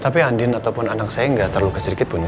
tapi andin ataupun anak saya gak terluka sedikit pun ya